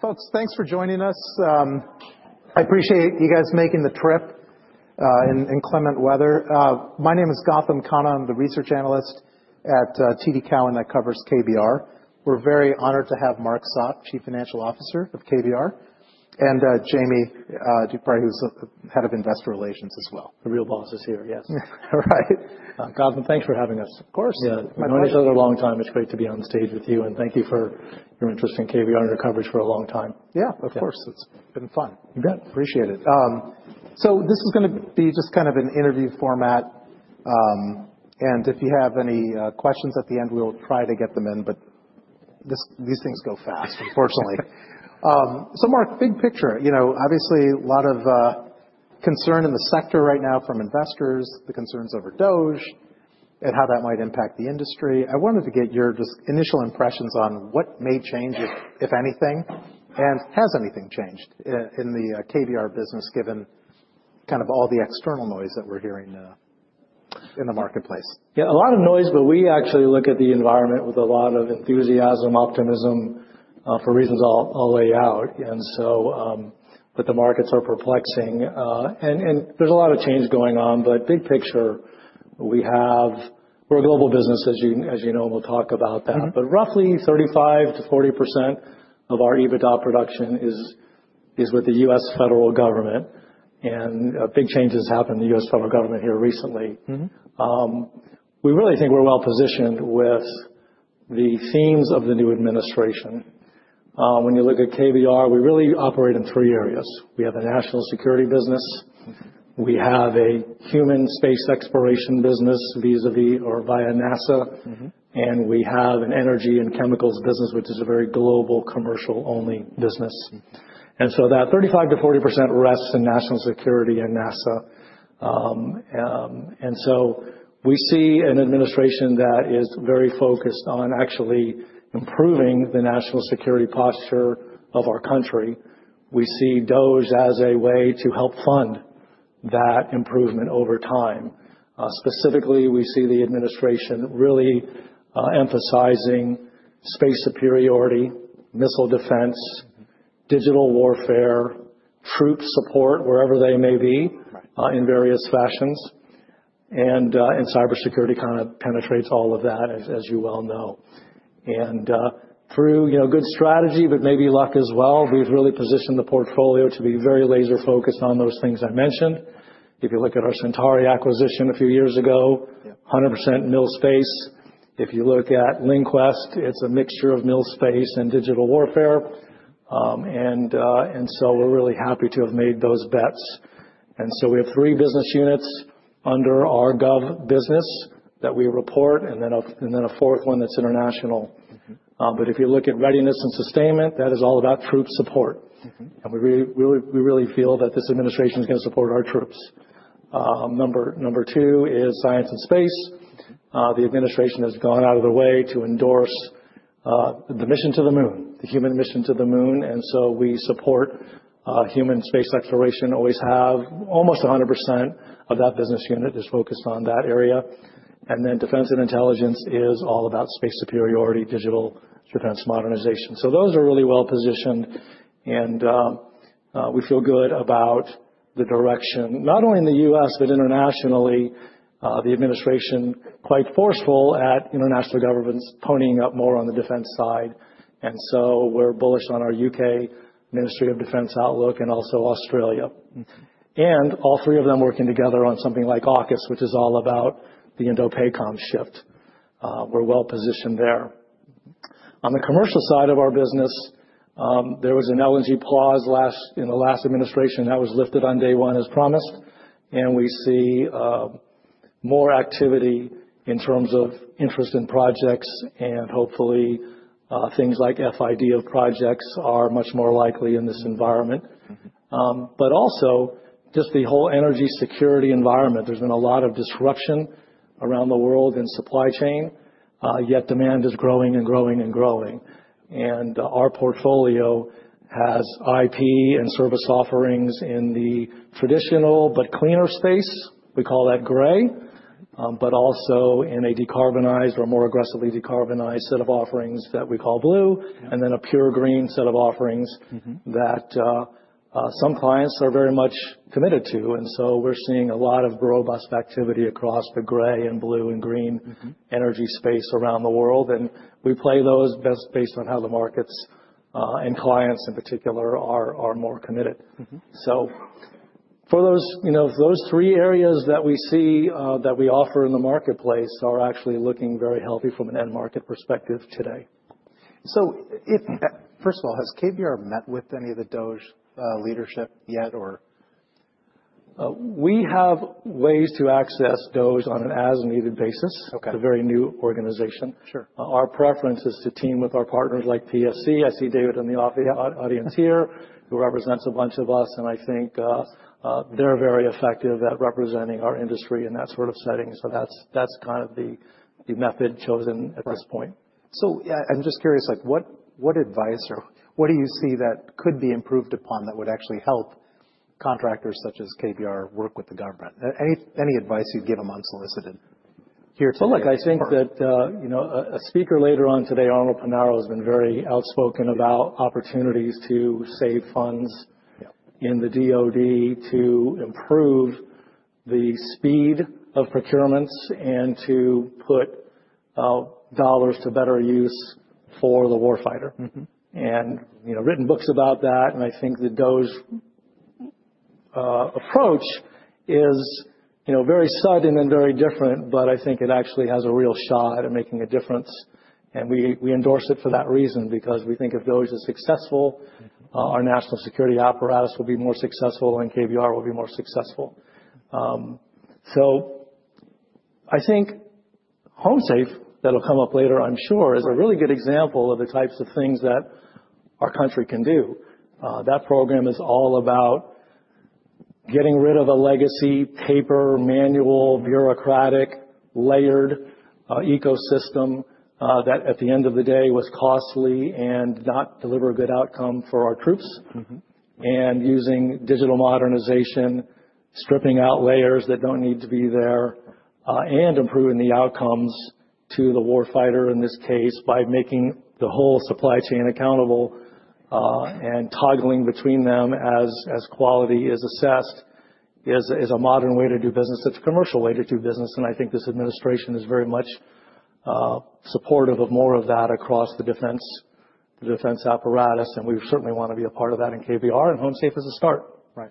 Folks, thanks for joining us. I appreciate you guys making the trip in inclement weather. My name is Gautam Khanna. I'm the research analyst at TD Cowen, and that covers KBR. We're very honored to have Mark Sopp, Chief Financial Officer of KBR, and Jamie DuBray, who's head of investor relations as well. The real boss is here, yes. All right. Gautam, thanks for having us. Of course. Yeah. I've known each other a long time. It's great to be on stage with you, and thank you for your interest in KBR and your coverage for a long time. Yeah, of course. It's been fun. You bet. Appreciate it. So this is going to be just kind of an interview format, and if you have any questions at the end, we'll try to get them in, but these things go fast, unfortunately. So, Mark, big picture. You know, obviously, a lot of concern in the sector right now from investors, the concerns over DOGE and how that might impact the industry. I wanted to get your just initial impressions on what may change, if anything, and has anything changed in the KBR business, given kind of all the external noise that we're hearing in the marketplace. Yeah, a lot of noise, but we actually look at the environment with a lot of enthusiasm, optimism for reasons I'll lay out. So, but the markets are perplexing, and there's a lot of change going on. Big picture, we're a global business, as you know, and we'll talk about that. But roughly 35%-40% of our EBITDA production is with the U.S. federal government, and big changes happened in the U.S. federal government here recently. We really think we're well positioned with the themes of the new administration. When you look at KBR, we really operate in three areas. We have a national security business. We have a human space exploration business vis-à-vis or via NASA, and we have an energy and chemicals business, which is a very global commercial-only business. And so that 35%-40% rests in national security and NASA. And so we see an administration that is very focused on actually improving the national security posture of our country. We see DOGE as a way to help fund that improvement over time. Specifically, we see the administration really emphasizing space superiority, missile defense, digital warfare, troop support, wherever they may be in various fashions, and cybersecurity kind of penetrates all of that, as you well know. And through, you know, good strategy, but maybe luck as well, we've really positioned the portfolio to be very laser-focused on those things I mentioned. If you look at our Centauri acquisition a few years ago, 100% missile space. If you look at LinQuest, it's a mixture of missile space and digital warfare. And so we're really happy to have made those bets. And so we have three business units under our gov business that we report, and then a fourth one that's international. But if you look at readiness and sustainment, that is all about troop support. And we really feel that this administration is going to support our troops. Number two is science and space. The administration has gone out of the way to endorse the mission to the moon, the human mission to the moon. And so we support human space exploration, always have almost 100% of that business unit is focused on that area. And then defense and intelligence is all about space superiority, digital defense modernization. So those are really well positioned, and we feel good about the direction, not only in the U.S., but internationally. The administration is quite forceful at international governments ponying up more on the defense side. And so we're bullish on our U.K. Ministry of Defence outlook and also Australia, and all three of them working together on something like AUKUS, which is all about the INDOPACOM shift. We're well positioned there. On the commercial side of our business, there was an LNG pause in the last administration that was lifted on day one, as promised, and we see more activity in terms of interest in projects, and hopefully things like FID projects are much more likely in this environment. But also just the whole energy security environment, there's been a lot of disruption around the world in supply chain, yet demand is growing and growing and growing. And our portfolio has IP and service offerings in the traditional but cleaner space. We call that gray, but also in a decarbonized or more aggressively decarbonized set of offerings that we call blue, and then a pure green set of offerings that some clients are very much committed to, and so we're seeing a lot of robust activity across the gray and blue and green energy space around the world, and we play those best based on how the markets and clients in particular are more committed, so for those, you know, those three areas that we see that we offer in the marketplace are actually looking very healthy from an end market perspective today. So first of all, has KBR met with any of the DOGE leadership yet or? We have ways to access DOGE on an as-needed basis. It's a very new organization. Our preference is to team with our partners like PSC. I see David in the audience here who represents a bunch of us, and I think they're very effective at representing our industry in that sort of setting. So that's kind of the method chosen at this point. I'm just curious, like, what advice or what do you see that could be improved upon that would actually help contractors such as KBR work with the government? Any advice you'd give them unsolicited here today? Look, I think that, you know, a speaker later on today, Arnold Punaro, has been very outspoken about opportunities to save funds in the DOD, to improve the speed of procurements, and to put dollars to better use for the warfighter. And, you know, written books about that, and I think the DOGE approach is, you know, very sudden and very different, but I think it actually has a real shot at making a difference. And we endorse it for that reason, because we think if DOGE is successful, our national security apparatus will be more successful, and KBR will be more successful. So I think HomeSafe, that'll come up later, I'm sure, is a really good example of the types of things that our country can do. That program is all about getting rid of a legacy paper manual bureaucratic layered ecosystem that at the end of the day was costly and did not deliver a good outcome for our troops, and using digital modernization, stripping out layers that don't need to be there, and improving the outcomes to the warfighter in this case by making the whole supply chain accountable and toggling between them as quality is assessed is a modern way to do business. It's a commercial way to do business, and I think this administration is very much supportive of more of that across the defense, the defense apparatus, and we certainly want to be a part of that in KBR, and HomeSafe is a start. Right.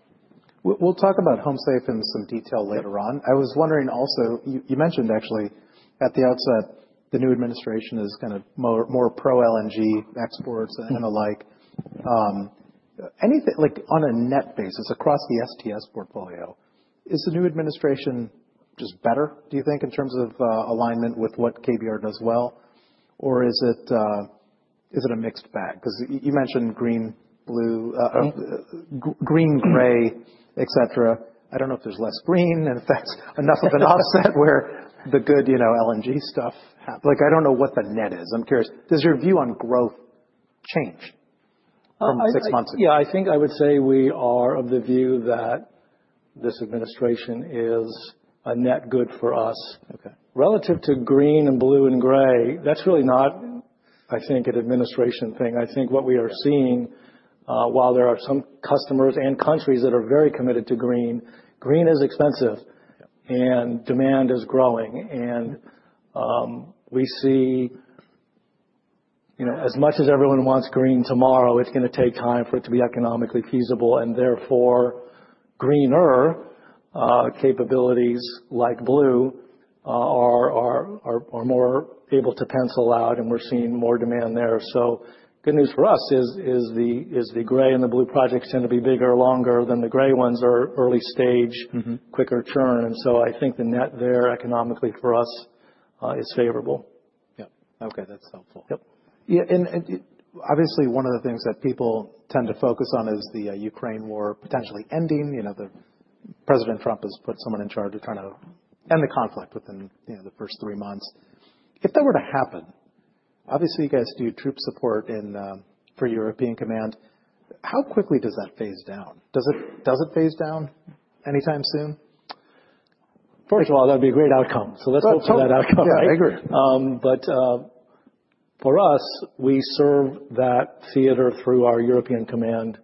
We'll talk about HomeSafe in some detail later on. I was wondering also, you mentioned actually at the outset the new administration is kind of more pro-LNG exports and the like. Anything, like, on a net basis across the STS portfolio, is the new administration just better, do you think, in terms of alignment with what KBR does well, or is it a mixed bag? Because you mentioned green, blue, green, gray, et cetera. I don't know if there's less green, and if that's enough of an offset where the good, you know, LNG stuff happens. Like, I don't know what the net is. I'm curious, does your view on growth change from six months ago? Yeah, I think I would say we are of the view that this administration is a net good for us. Relative to green and blue and gray, that's really not, I think, an administration thing. I think what we are seeing, while there are some customers and countries that are very committed to green, green is expensive and demand is growing. And we see, you know, as much as everyone wants green tomorrow, it's going to take time for it to be economically feasible, and therefore greener capabilities like blue are more able to pencil out, and we're seeing more demand there. So good news for us is the gray and the blue projects tend to be bigger, longer than the gray ones are early stage, quicker churn. And so I think the net there economically for us is favorable. Yeah. Okay, that's helpful. Yep. Yeah, and obviously one of the things that people tend to focus on is the Ukraine war potentially ending. You know, President Trump has put someone in charge of trying to end the conflict within, you know, the first three months. If that were to happen, obviously you guys do troop support for European Command. How quickly does that phase down? Does it phase down anytime soon? First of all, that'd be a great outcome. So let's hope for that outcome. Yeah, I agree. But for us, we serve that theater through our European Command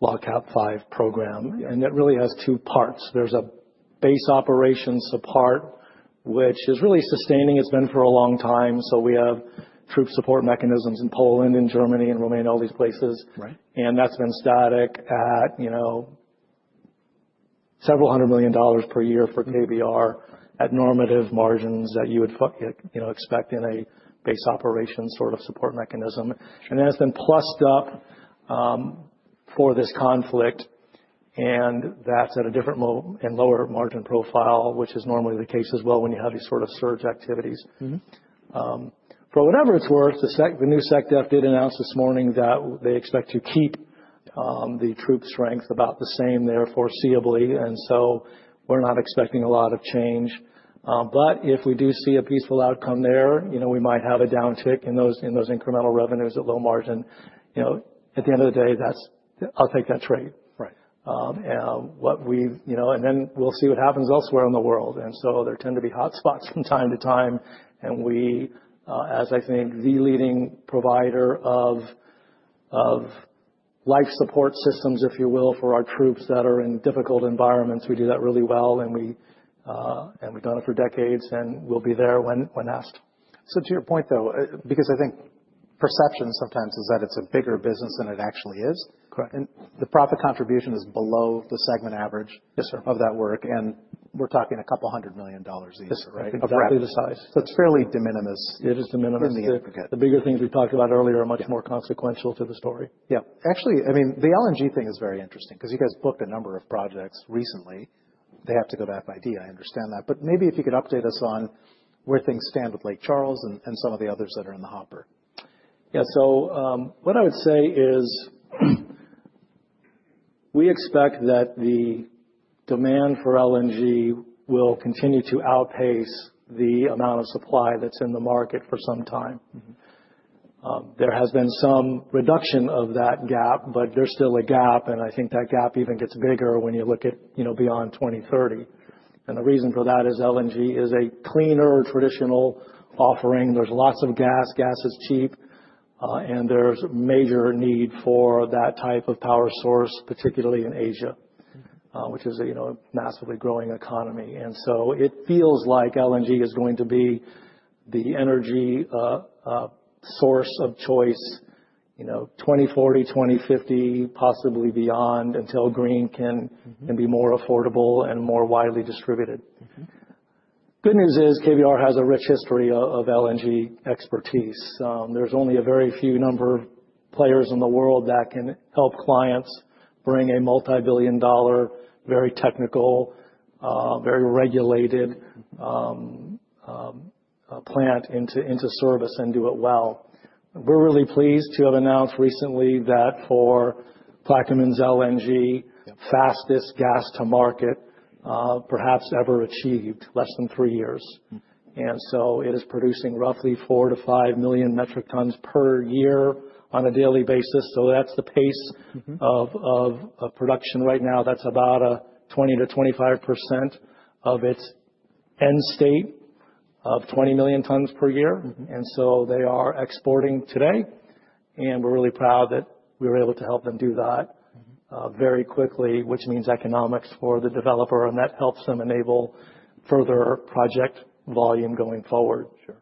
LOGCAP V program, and it really has two parts. There's a base operations support, which is really sustaining. It's been for a long time. So we have troop support mechanisms in Poland, in Germany, in Romania, all these places, and that's been static at, you know, several hundred million dollars per year for KBR at normative margins that you would, you know, expect in a base operations sort of support mechanism. And then it's been plussed up for this conflict, and that's at a different and lower margin profile, which is normally the case as well when you have these sort of surge activities. For whatever it's worth, the new SecDef did announce this morning that they expect to keep the troop strength about the same there foreseeably, and so we're not expecting a lot of change. But if we do see a peaceful outcome there, you know, we might have a downtick in those incremental revenues at low margin. You know, at the end of the day, that's. I'll take that trade. Right. What we, you know, and then we'll see what happens elsewhere in the world, and so there tend to be hotspots from time to time, and we, as I think the leading provider of life support systems, if you will, for our troops that are in difficult environments, we do that really well, and we've done it for decades, and we'll be there when asked. So to your point, though, because I think perception sometimes is that it's a bigger business than it actually is. Correct. The profit contribution is below the segment average. Yes, sir. Of that work, and we're talking $200 million each, right? Yes, sir. Of roughly the size. So it's fairly de minimis. It is de minimis. The bigger things we talked about earlier are much more consequential to the story. Yeah. Actually, I mean, the LNG thing is very interesting because you guys booked a number of projects recently. They have to go to FID, I understand that, but maybe if you could update us on where things stand with Lake Charles and some of the others that are in the hopper. Yeah, so what I would say is we expect that the demand for LNG will continue to outpace the amount of supply that's in the market for some time. There has been some reduction of that gap, but there's still a gap, and I think that gap even gets bigger when you look at, you know, beyond 2030. And the reason for that is LNG is a cleaner traditional offering. There's lots of gas. Gas is cheap, and there's major need for that type of power source, particularly in Asia, which is a, you know, massively growing economy. And so it feels like LNG is going to be the energy source of choice, you know, 2040, 2050, possibly beyond until green can be more affordable and more widely distributed. Good news is KBR has a rich history of LNG expertise. There's only a very few number of players in the world that can help clients bring a multi-billion-dollar, very technical, very regulated plant into service and do it well. We're really pleased to have announced recently that for Plaquemines LNG, fastest gas to market perhaps ever achieved, less than three years. And so it is producing roughly 4-5 million metric tons per year on a daily basis. So that's the pace of production right now. That's about a 20%-25% of its end state of 20 million tons per year. And so they are exporting today, and we're really proud that we were able to help them do that very quickly, which means economics for the developer, and that helps them enable further project volume going forward. Sure.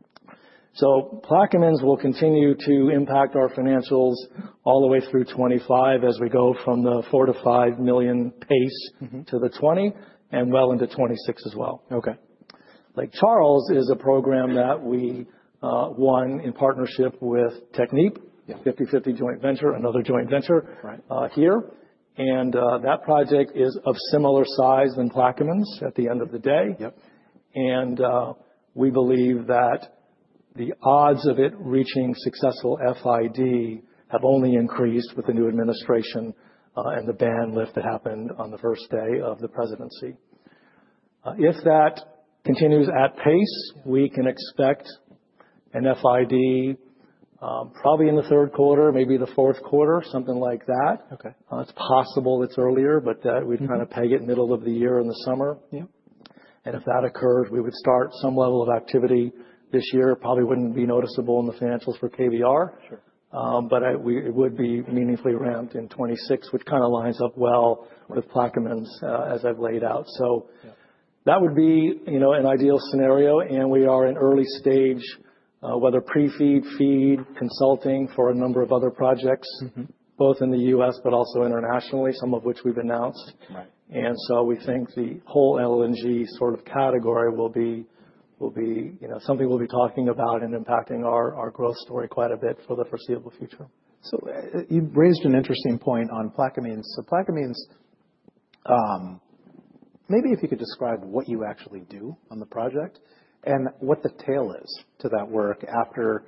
Plaquemines will continue to impact our financials all the way through 2025 as we go from the $4 million-$5 million pace to the 20 and well into 2026 as well. Okay. Lake Charles is a program that we won in partnership with Technip Energies, 50/50 joint venture, another joint venture here, and that project is of similar size than Plaquemines at the end of the day. We believe that the odds of it reaching successful FID have only increased with the new administration and the ban lift that happened on the first day of the presidency. If that continues at pace, we can expect an FID probably in the Q3, maybe the Q4, something like that. It's possible it's earlier, but that we'd kind of peg it middle of the year in the summer. If that occurs, we would start some level of activity this year. Probably wouldn't be noticeable in the financials for KBR, but it would be meaningfully ramped in 2026, which kind of lines up well with Plaquemines as I've laid out. So that would be, you know, an ideal scenario, and we are in early stage, whether pre-FEED, FEED, consulting for a number of other projects, both in the U.S. but also internationally, some of which we've announced, and so we think the whole LNG sort of category will be, you know, something we'll be talking about and impacting our growth story quite a bit for the foreseeable future. So you raised an interesting point on Plaquemines. So Plaquemines, maybe if you could describe what you actually do on the project and what the tail is to that work after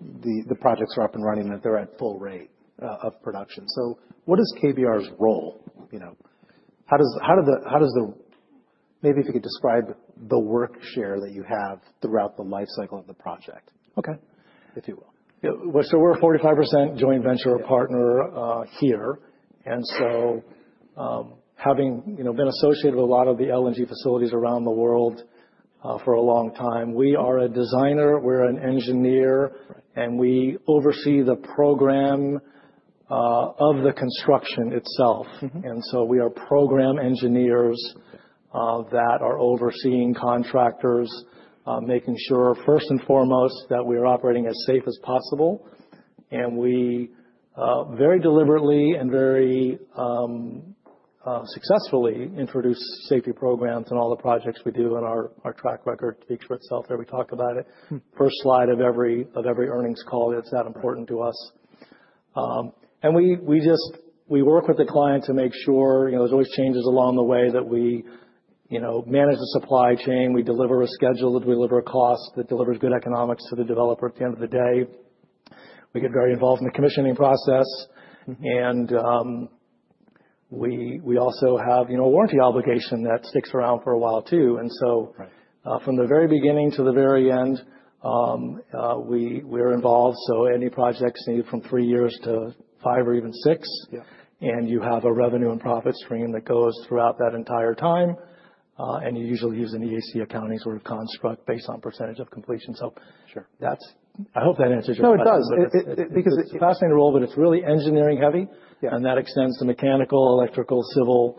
the projects are up and running and they're at full rate of production. So what is KBR's role? You know, how does the, maybe if you could describe the work share that you have throughout the lifecycle of the project, okay, if you will? Yeah, so we're a 45% joint venture partner here, and so having, you know, been associated with a lot of the LNG facilities around the world for a long time, we are a designer, we're an engineer, and we oversee the program of the construction itself. And so we are program engineers that are overseeing contractors, making sure first and foremost that we are operating as safe as possible, and we very deliberately and very successfully introduce safety programs in all the projects we do, and our track record speaks for itself there. We talk about it. First slide of every earnings call, it's that important to us. And we just, we work with the client to make sure, you know, there's always changes along the way that we, you know, manage the supply chain. We deliver a schedule that delivers costs that delivers good economics to the developer at the end of the day. We get very involved in the commissioning process, and we also have, you know, a warranty obligation that sticks around for a while too, and so from the very beginning to the very end, we are involved, so any projects need from three years to five or even six, and you have a revenue and profit stream that goes throughout that entire time, and you usually use an EAC accounting sort of construct based on percentage of completion, so that's, I hope that answers your question. No, it does. Because it's a fascinating role, but it's really engineering heavy, and that extends to mechanical, electrical, civil,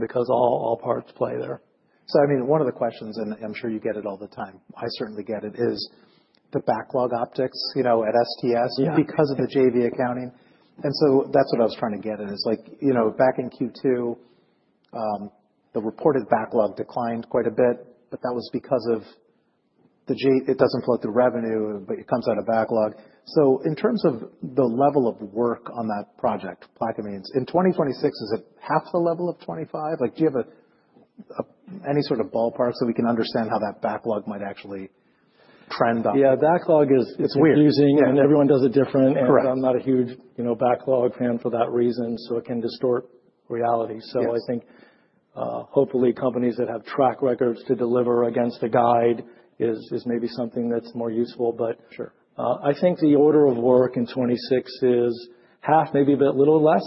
because all parts play there. So I mean, one of the questions, and I'm sure you get it all the time, I certainly get it, is the backlog optics, you know, at STS because of the JV accounting. And so that's what I was trying to get at. It's like, you know, back in Q2, the reported backlog declined quite a bit, but that was because of the, it doesn't flow through revenue, but it comes out of backlog. So in terms of the level of work on that project, Plaquemines, in 2026, is it half the level of 2025? Like, do you have any sort of ballpark so we can understand how that backlog might actually trend up? Yeah, backlog is confusing, and everyone does it different, and I'm not a huge, you know, backlog fan for that reason, so it can distort reality. So I think hopefully companies that have track records to deliver against the guide is maybe something that's more useful, but I think the order of work in 2026 is half, maybe a little less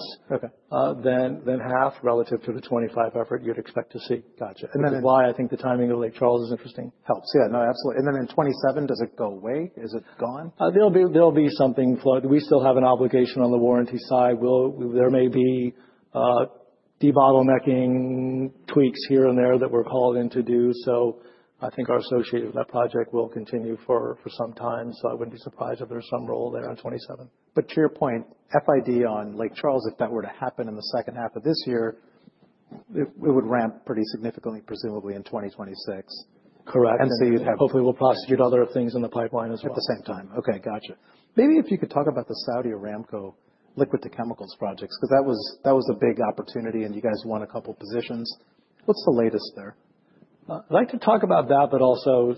than half relative to the 2025 effort you'd expect to see. Gotcha. That is why I think the timing of Lake Charles is interesting. Helps. Yeah, no, absolutely. And then in 2027, does it go away? Is it gone? There'll be some inflow. We still have an obligation on the warranty side. There may be debottlenecking tweaks here and there that we're called in to do. So I think our association with that project will continue for some time, so I wouldn't be surprised if there's some role there in 2027. But to your point, FID on Lake Charles, if that were to happen in the second half of this year, it would ramp pretty significantly, presumably in 2026. Correct. And so you'd have. Hopefully we'll prosecute other things in the pipeline as well. At the same time. Okay, gotcha. Maybe if you could talk about the Saudi Aramco Liquid to Chemicals projects, because that was a big opportunity and you guys won a couple positions. What's the latest there? I'd like to talk about that, but also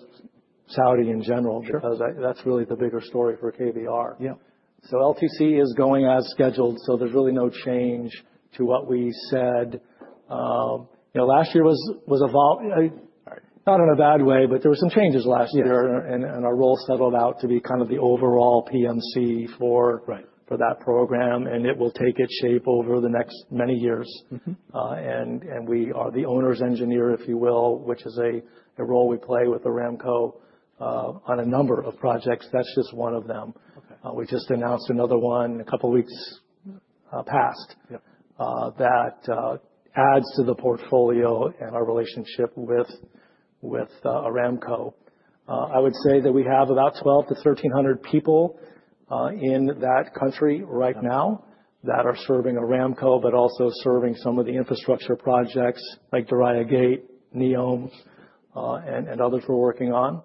Saudi in general, because that's really the bigger story for KBR. Yeah. LTC is going as scheduled, so there's really no change to what we said. You know, last year was, not in a bad way, but there were some changes last year, and our role settled out to be kind of the overall PMC for that program, and it will take its shape over the next many years. And we are the owner's engineer, if you will, which is a role we play with Aramco on a number of projects. That's just one of them. We just announced another one a couple weeks past that adds to the portfolio and our relationship with Aramco. I would say that we have about 12 to 1,300 people in that country right now that are serving Aramco, but also serving some of the infrastructure projects like Diriyah Gate, NEOM, and others we're working on.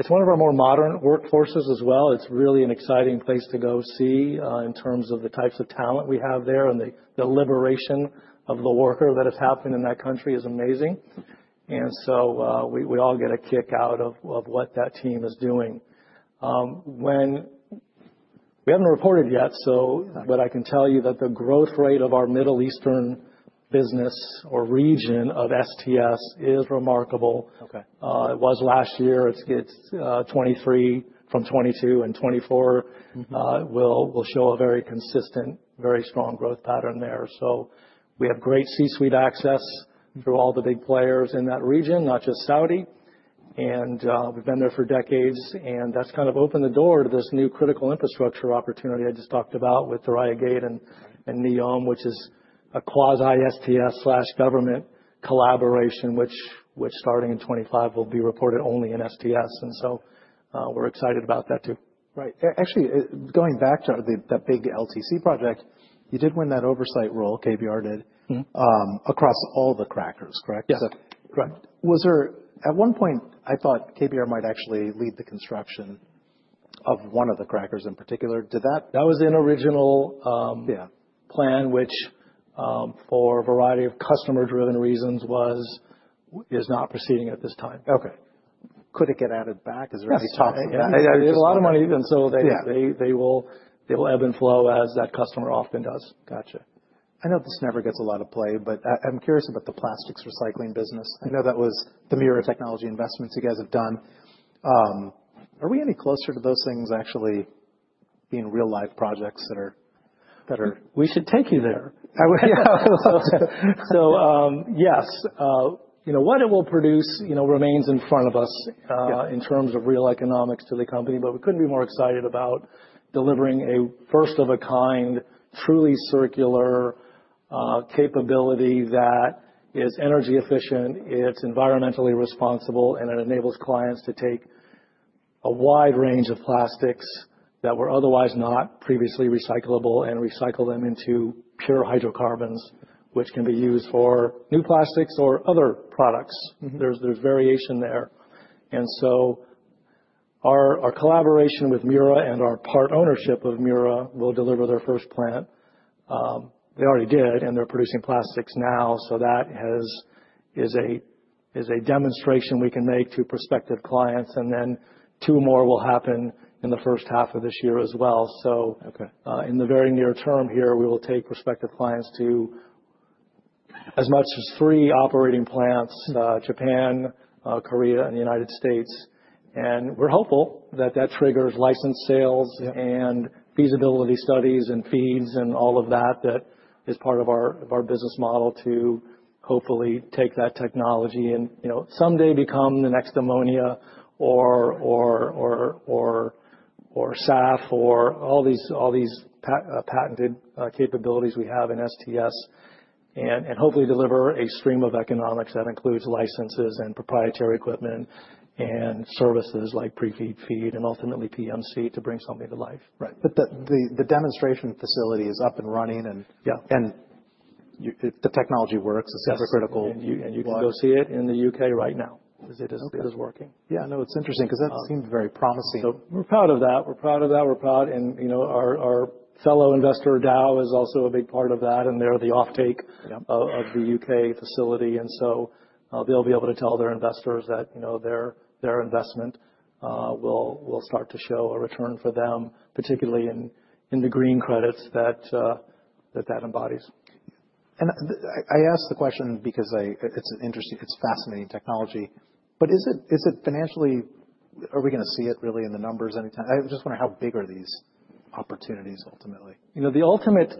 It's one of our more modern workforces as well. It's really an exciting place to go see in terms of the types of talent we have there, and the liberation of the worker that has happened in that country is amazing. And so we all get a kick out of what that team is doing. We haven't reported yet, but I can tell you that the growth rate of our Middle Eastern business or region of STS is remarkable. It was last year. It's 23% from 2022 and 2024. We'll show a very consistent, very strong growth pattern there. So we have great C-suite access through all the big players in that region, not just Saudi, and we've been there for decades, and that's kind of opened the door to this new critical infrastructure opportunity I just talked about with Diriyah Gate and NEOM, which is a quasi-STS slash government collaboration, which starting in 2025 will be reported only in STS. And so we're excited about that too. Right. Actually, going back to that big LTC project, you did win that oversight role, KBR did, across all the crackers, correct? Yes, correct. Was there at one point, I thought KBR might actually lead the construction of one of the crackers in particular. Did that? That was an original plan, which for a variety of customer-driven reasons is not proceeding at this time. Okay. Could it get added back? Is there any talk of that? There's a lot of money, and so they will ebb and flow as that customer often does. Gotcha. I know this never gets a lot of play, but I'm curious about the plastics recycling business. I know that was the Mura Technology investments you guys have done. Are we any closer to those things actually being real-life projects that are? We should take you there, so yes, you know, what it will produce, you know, remains in front of us in terms of real economics to the company, but we couldn't be more excited about delivering a first-of-a-kind, truly circular capability that is energy efficient, it's environmentally responsible, and it enables clients to take a wide range of plastics that were otherwise not previously recyclable and recycle them into pure hydrocarbons, which can be used for new plastics or other products. There's variation there, and so our collaboration with Mura and our part ownership of Mura will deliver their first plant. They already did, and they're producing plastics now, so that is a demonstration we can make to prospective clients, and then two more will happen in the first half of this year as well. In the very near term here, we will take prospective clients to as much as three operating plants: Japan, South Korea, and the United States. We're hopeful that that triggers license sales and feasibility studies and FEEDs and all of that that is part of our business model to hopefully take that technology and, you know, someday become the next ammonia or SAF or all these patented capabilities we have in STS and hopefully deliver a stream of economics that includes licenses and proprietary equipment and services like pre-FEED, FEED, and ultimately PMC to bring something to life. Right. But the demonstration facility is up and running, and the technology works. It's super critical. Yes, and you can go see it in the U.K. right now. Because it is working. Yeah, no, it's interesting because that seemed very promising, so we're proud of that. We're proud of that. We're proud, and, you know, our fellow investor, Dow, is also a big part of that, and they're the offtake of the U.K. facility, and so they'll be able to tell their investors that, you know, their investment will start to show a return for them, particularly in the green credits that that embodies. I ask the question because it's fascinating technology, but is it financially? Are we going to see it really in the numbers anytime? I just wonder how big are these opportunities ultimately? You know, the ultimate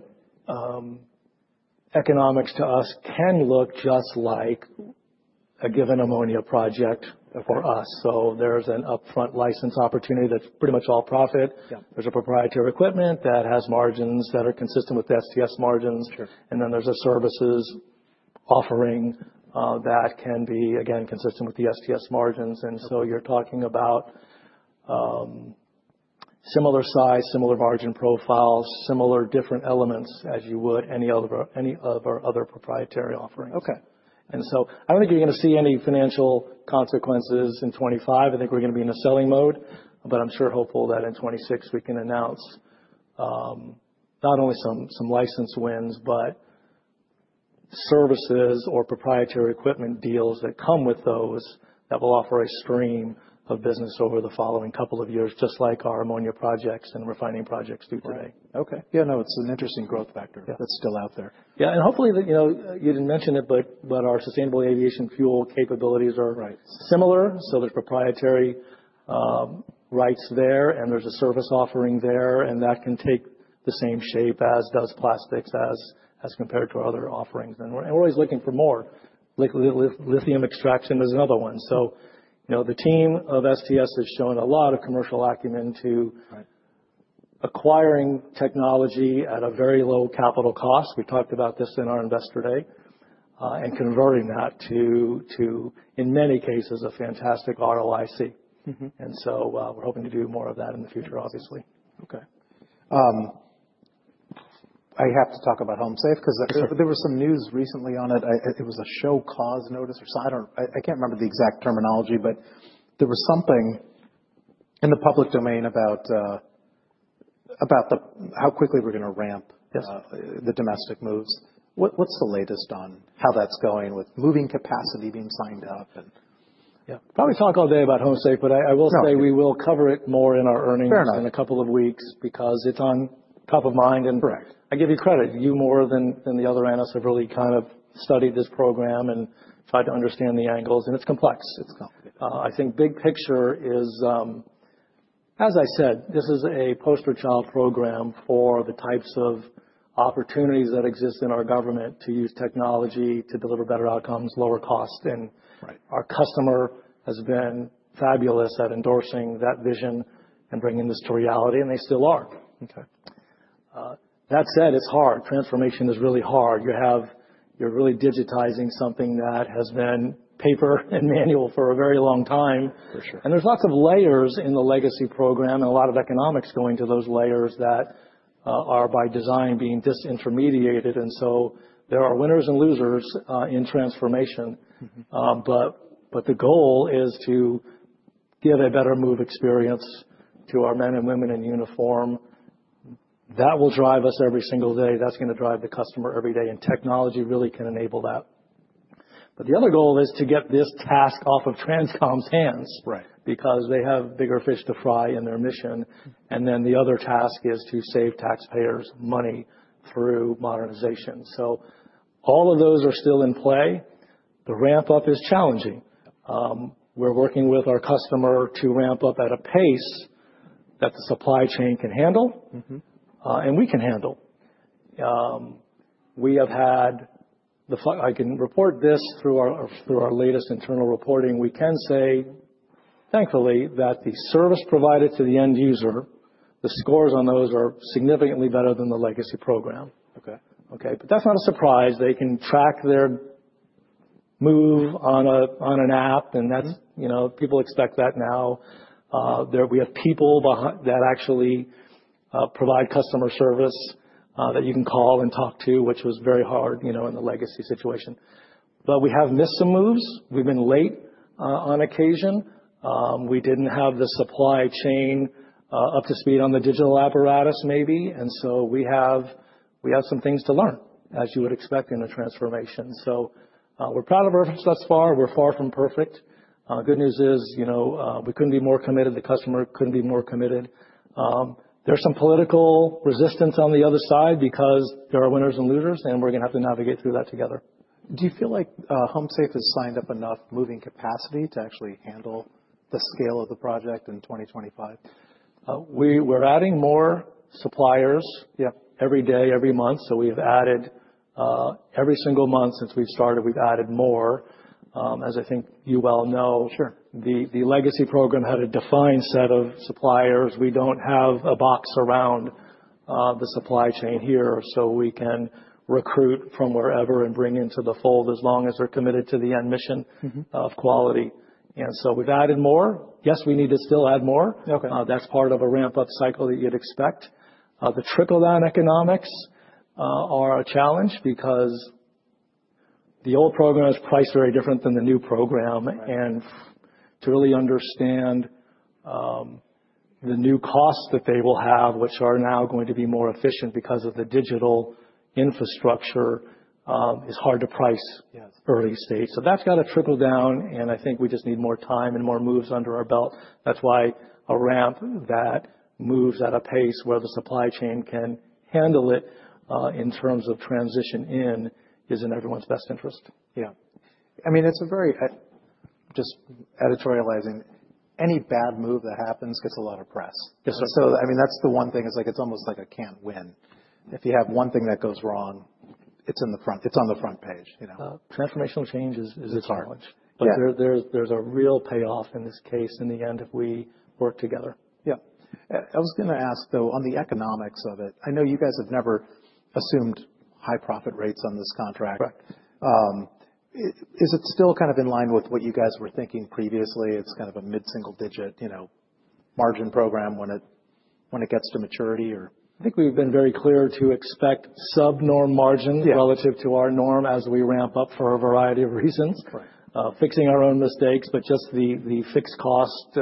economics to us can look just like a given ammonia project for us, so there's an upfront license opportunity that's pretty much all profit. There's a proprietary equipment that has margins that are consistent with STS margins, and then there's a services offering that can be, again, consistent with the STS margins, and so you're talking about similar size, similar margin profiles, similar different elements as you would any of our other proprietary offerings. Okay. And so I don't think you're going to see any financial consequences in 2025. I think we're going to be in a selling mode, but I'm sure hopeful that in 2026 we can announce not only some license wins, but services or proprietary equipment deals that come with those that will offer a stream of business over the following couple of years, just like our ammonia projects and refining projects do today. Okay. Yeah, no, it's an interesting growth factor that's still out there. Yeah, and hopefully, you know, you didn't mention it, but our sustainable aviation fuel capabilities are similar. So there's proprietary rights there, and there's a service offering there, and that can take the same shape as does plastics as compared to our other offerings. And we're always looking for more. Lithium extraction is another one. So, you know, the team of STS has shown a lot of commercial acumen to acquiring technology at a very low capital cost. We talked about this in our investor day and converting that to, in many cases, a fantastic ROIC. And so we're hoping to do more of that in the future, obviously. Okay. I have to talk about HomeSafe because there was some news recently on it. It was a show-cause notice, or I can't remember the exact terminology, but there was something in the public domain about how quickly we're going to ramp the domestic moves. What's the latest on how that's going with moving capacity being signed up? Yeah, probably talk all day about HomeSafe, but I will say we will cover it more in our earnings in a couple of weeks because it's on top of mind. And I give you credit, you more than the other analysts have really kind of studied this program and tried to understand the angles, and it's complex. I think big picture is, as I said, this is a poster child program for the types of opportunities that exist in our government to use technology to deliver better outcomes, lower cost. And our customer has been fabulous at endorsing that vision and bringing this to reality, and they still are. Okay. That said, it's hard. Transformation is really hard. You're really digitizing something that has been paper and manual for a very long time, and there's lots of layers in the legacy program and a lot of economics going to those layers that are by design being disintermediated, and so there are winners and losers in transformation, but the goal is to give a better move experience to our men and women in uniform. That will drive us every single day. That's going to drive the customer every day, and technology really can enable that, but the other goal is to get this task off of TRANSCOM's hands because they have bigger fish to fry in their mission, and then the other task is to save taxpayers' money through modernization, so all of those are still in play. The ramp-up is challenging. We're working with our customer to ramp up at a pace that the supply chain can handle and we can handle. We have had, I can report this through our latest internal reporting, we can say, thankfully, that the service provided to the end user, the scores on those are significantly better than the legacy program. Okay, but that's not a surprise. They can track their move on an app, and that's, you know, people expect that now. We have people that actually provide customer service that you can call and talk to, which was very hard, you know, in the legacy situation. But we have missed some moves. We've been late on occasion. We didn't have the supply chain up to speed on the digital apparatus maybe, and so we have some things to learn, as you would expect in a transformation. We're proud of our efforts thus far. We're far from perfect. The good news is, you know, we couldn't be more committed. The customer couldn't be more committed. There's some political resistance on the other side because there are winners and losers, and we're going to have to navigate through that together. Do you feel like HomeSafe has signed up enough moving capacity to actually handle the scale of the project in 2025? We're adding more suppliers every day, every month. So we've added every single month since we've started, we've added more. As I think you well know, the legacy program had a defined set of suppliers. We don't have a box around the supply chain here, so we can recruit from wherever and bring into the fold as long as they're committed to the end mission of quality. And so we've added more. Yes, we need to still add more. That's part of a ramp-up cycle that you'd expect. The trickle-down economics are a challenge because the old program is priced very different than the new program. And to really understand the new costs that they will have, which are now going to be more efficient because of the digital infrastructure, it's hard to price early stage. So that's got to trickle down, and I think we just need more time and more moves under our belt. That's why a ramp that moves at a pace where the supply chain can handle it in terms of transition in is in everyone's best interest. Yeah. I mean, it's a very, just editorializing, any bad move that happens gets a lot of press. So I mean, that's the one thing. It's like it's almost like a can't win. If you have one thing that goes wrong, it's in the front. It's on the front page, you know. Transformational change is a challenge, but there's a real payoff in this case in the end if we work together. Yeah. I was going to ask though, on the economics of it. I know you guys have never assumed high profit rates on this contract. Is it still kind of in line with what you guys were thinking previously? It's kind of a mid-single digit, you know, margin program when it gets to maturity or? I think we've been very clear to expect sub-norm margin relative to our norm as we ramp up for a variety of reasons, fixing our own mistakes, but just the fixed cost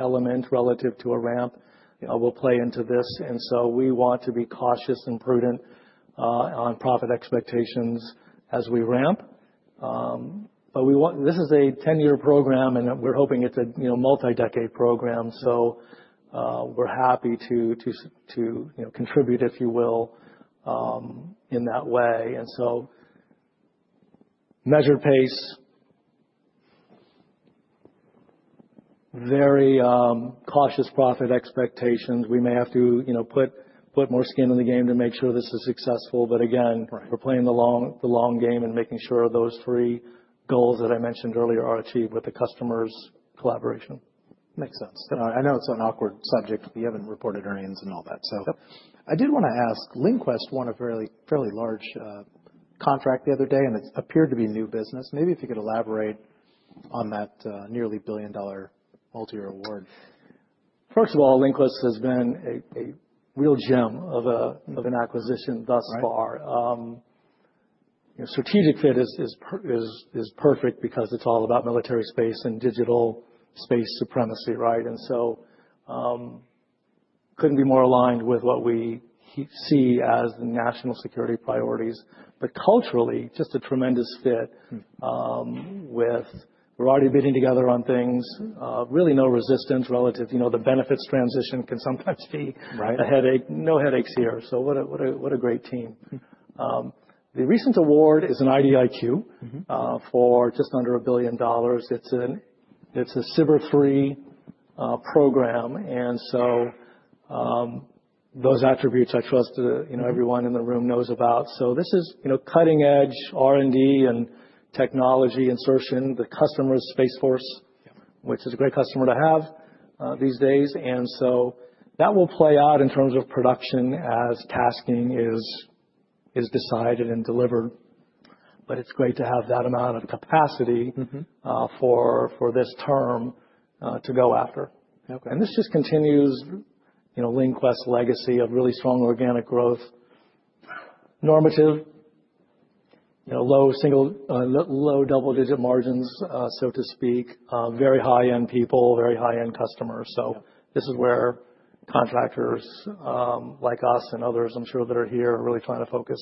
element relative to a ramp will play into this, and so we want to be cautious and prudent on profit expectations as we ramp, but this is a 10-year program, and we're hoping it's a multi-decade program, so we're happy to contribute, if you will, in that way, and so measured pace, very cautious profit expectations, we may have to put more skin in the game to make sure this is successful, but again, we're playing the long game and making sure those three goals that I mentioned earlier are achieved with the customer's collaboration. Makes sense. I know it's an awkward subject if you haven't reported earnings and all that. So I did want to ask, LinQuest won a fairly large contract the other day, and it appeared to be new business. Maybe if you could elaborate on that nearly $1 billion multi-year award? First of all, LinQuest has been a real gem of an acquisition thus far. Strategic fit is perfect because it's all about military space and digital space supremacy, right, and so couldn't be more aligned with what we see as the national security priorities. But culturally, just a tremendous fit with, we're already bidding together on things. Really no resistance relatively, you know, the benefits transition can sometimes be a headache. No headaches here. So what a great team. The recent award is an IDIQ for just under $1 billion. It's a SBIR III program. And so those attributes I trust everyone in the room knows about, so this is cutting-edge R&D and technology insertion, the customer is Space Force, which is a great customer to have these days, and so that will play out in terms of production as tasking is decided and delivered. But it's great to have that amount of capacity for this term to go after. And this just continues LinQuest's legacy of really strong organic growth, normative, low double-digit margins, so to speak, very high-end people, very high-end customers. So this is where contractors like us and others, I'm sure that are here, are really trying to focus.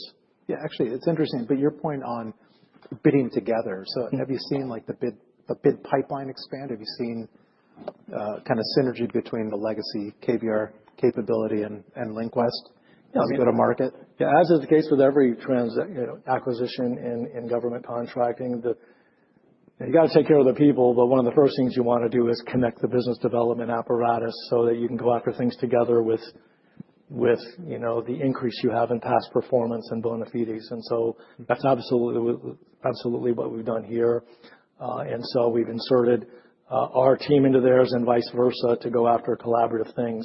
Yeah, actually, it's interesting, but your point on bidding together. So have you seen the bid pipeline expand? Have you seen kind of synergy between the legacy KBR capability and LinQuest as you go to market? Yeah, as is the case with every acquisition in government contracting, you got to take care of the people, but one of the first things you want to do is connect the business development apparatus so that you can go after things together with the increase you have in past performance and bona fides, and so that's absolutely what we've done here, and so we've inserted our team into theirs and vice versa to go after collaborative things.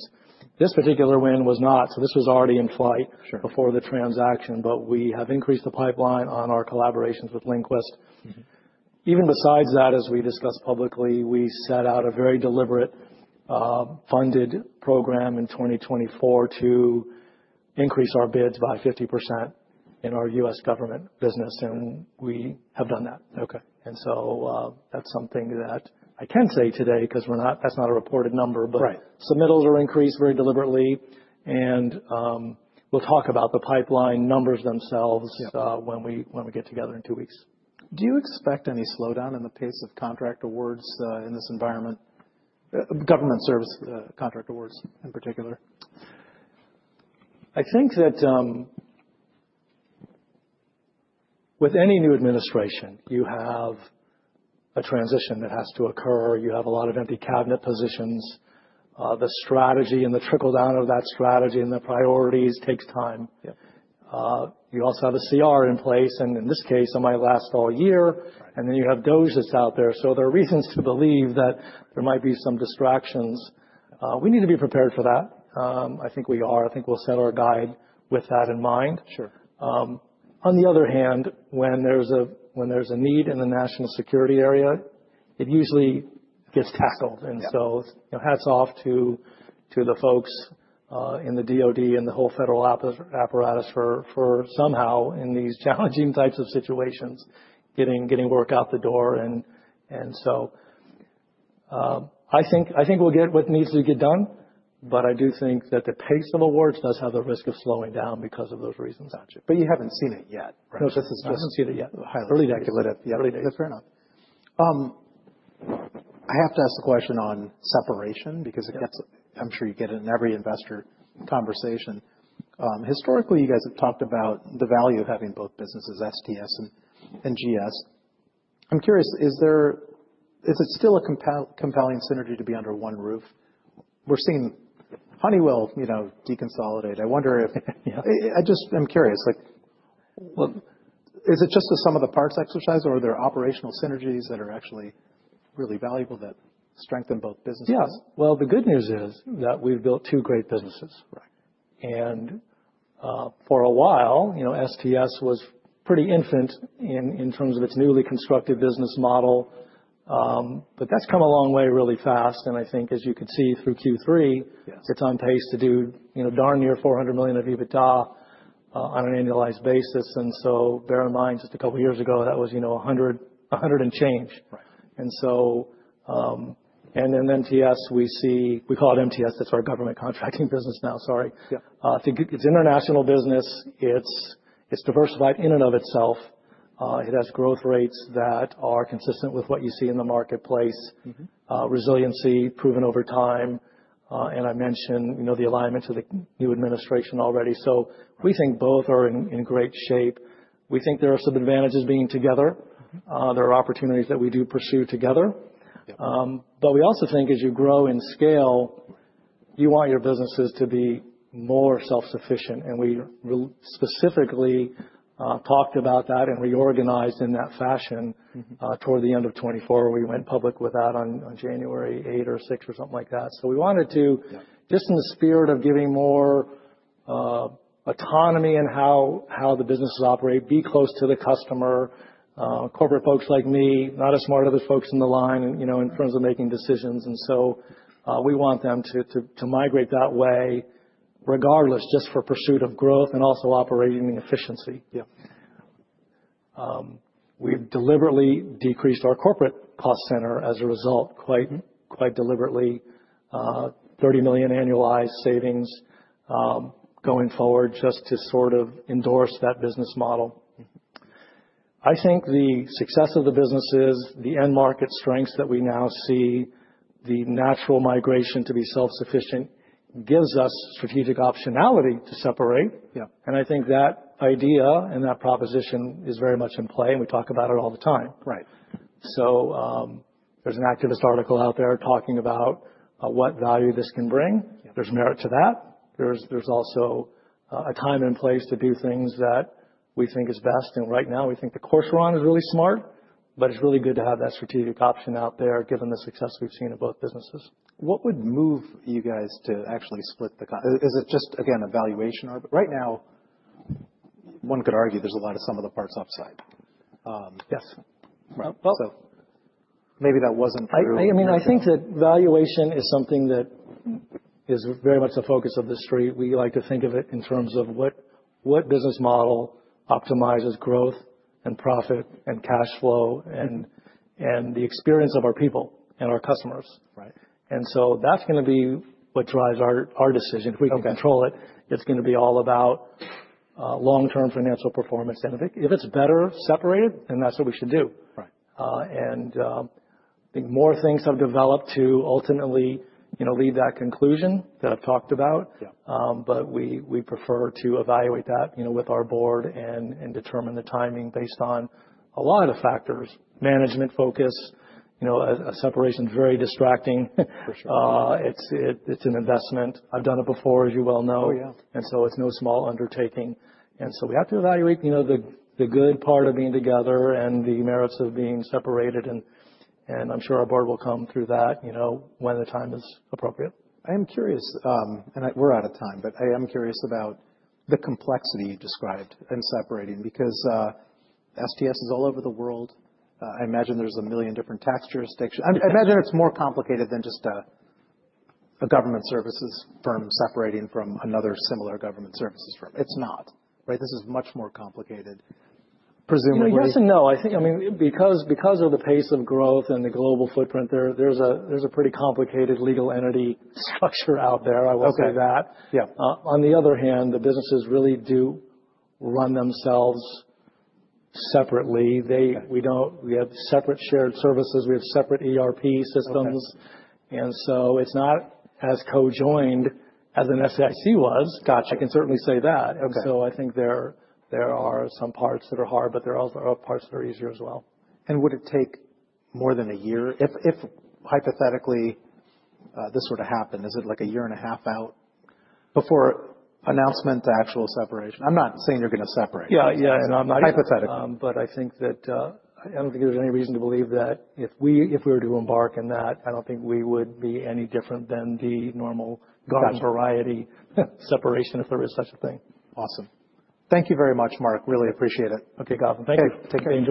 This particular win was not, so this was already in flight before the transaction, but we have increased the pipeline on our collaborations with LinQuest. Even besides that, as we discussed publicly, we set out a very deliberate funded program in 2024 to increase our bids by 50% in our U.S. government business, and we have done that. That's something that I can say today because that's not a reported number, but submittals are increased very deliberately. We'll talk about the pipeline numbers themselves when we get together in two weeks. Do you expect any slowdown in the pace of contract awards in this environment? Government service contract awards in particular. I think that with any new administration, you have a transition that has to occur. You have a lot of empty cabinet positions. The strategy and the trickle-down of that strategy and the priorities takes time. You also have a CR in place, and in this case, it might last all year, and then you have DOGE that's out there. So there are reasons to believe that there might be some distractions. We need to be prepared for that. I think we are. I think we'll set our guide with that in mind. On the other hand, when there's a need in the national security area, it usually gets tackled, and so hats off to the folks in the DOD and the whole federal apparatus for somehow in these challenging types of situations getting work out the door. And so I think we'll get what needs to get done, but I do think that the pace of awards does have the risk of slowing down because of those reasons. Gotcha. But you haven't seen it yet. No, I haven't seen it yet. Early day. Early day. That's fair enough. I have to ask the question on separation because I'm sure you get it in every investor conversation. Historically, you guys have talked about the value of having both businesses, STS and GS. I'm curious, is it still a compelling synergy to be under one roof? We're seeing Honeywell deconsolidate. I wonder if I just am curious, is it just a sum of the parts exercise or are there operational synergies that are actually really valuable that strengthen both businesses? Yeah. Well, the good news is that we've built two great businesses. For a while, STS was pretty infant in terms of its newly constructed business model. But that's come a long way really fast. I think as you could see through Q3, it's on pace to do darn near $400 million of EBITDA on an annualized basis. So bear in mind just a couple of years ago, that was 100 and change. Then GS, we call it GS. That's our government contracting business now, sorry. It's international business. It's diversified in and of itself. It has growth rates that are consistent with what you see in the marketplace, resiliency proven over time. I mentioned the alignment to the new administration already. So we think both are in great shape. We think there are some advantages being together. There are opportunities that we do pursue together, but we also think as you grow in scale, you want your businesses to be more self-sufficient, and we specifically talked about that and reorganized in that fashion toward the end of 2024. We went public with that on January 8 or 6 or something like that, so we wanted to, just in the spirit of giving more autonomy in how the businesses operate, be close to the customer, corporate folks like me, not as smart as the folks in the line in terms of making decisions, and so we want them to migrate that way regardless, just for pursuit of growth and also operating efficiency. We've deliberately decreased our corporate cost center as a result, quite deliberately, $30 million annualized savings going forward just to sort of endorse that business model. I think the success of the businesses, the end market strengths that we now see, the natural migration to be self-sufficient gives us strategic optionality to separate, and I think that idea and that proposition is very much in play, and we talk about it all the time, so there's an activist article out there talking about what value this can bring. There's merit to that. There's also a time and place to do things that we think is best, and right now, we think the course we're on is really smart, but it's really good to have that strategic option out there given the success we've seen in both businesses. What would move you guys to actually split the cost? Is it just, again, a valuation? Right now, one could argue there's a lot of sum of the parts upside. Yes. Maybe that wasn't for you. I mean, I think that valuation is something that is very much a focus of the street. We like to think of it in terms of what business model optimizes growth and profit and cash flow and the experience of our people and our customers. And so that's going to be what drives our decision. If we can control it, it's going to be all about long-term financial performance. And if it's better separated, then that's what we should do. And I think more things have developed to ultimately lead that conclusion that I've talked about. But we prefer to evaluate that with our board and determine the timing based on a lot of factors, management focus. A separation is very distracting. It's an investment. I've done it before, as you well know. And so it's no small undertaking. So we have to evaluate the good part of being together and the merits of being separated. I'm sure our board will come through that when the time is appropriate. I am curious, and we're out of time, but I am curious about the complexity you described in separating because STS is all over the world. I imagine there's a million different tax jurisdictions. I imagine it's more complicated than just a government services firm separating from another similar government services firm. It's not, right? This is much more complicated. Presumably. Yes and no. I mean, because of the pace of growth and the global footprint, there's a pretty complicated legal entity structure out there. I will say that. On the other hand, the businesses really do run themselves separately. We have separate shared services. We have separate ERP systems. And so it's not as co-joined as a SAIC was. I can certainly say that. So I think there are some parts that are hard, but there are also parts that are easier as well. Would it take more than a year if hypothetically this were to happen? Is it like a year and a half out before announcement, the actual separation? I'm not saying you're going to separate. Yeah, yeah. Hypothetical. But I think that I don't think there's any reason to believe that if we were to embark on that, I don't think we would be any different than the normal garden variety separation if there is such a thing. Awesome. Thank you very much, Mark. Really appreciate it. Okay, Gautam. Thank you. Take care.